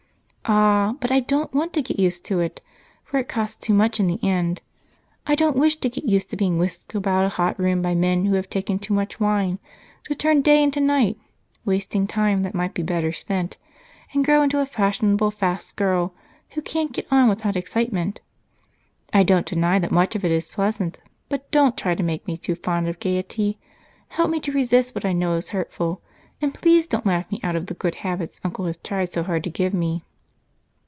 "Ah! But I don't want to get used to it, for it costs too much in the end. I don't wish to get used to being whisked about a hot room by men who have taken too much wine, to turn day into night, wasting time that might be better spent, and grow into a fashionable fast girl who can't get along without excitement. I don't deny that much of it is pleasant, but don't try to make me too fond of gaiety. Help me to resist what I know is hurtful, and please don't laugh me out of the good habits Uncle has tried so hard to give me."